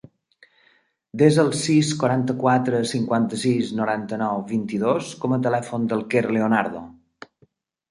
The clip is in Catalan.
Desa el sis, quaranta-quatre, cinquanta-sis, noranta-nou, vint-i-dos com a telèfon del Quer Leonardo.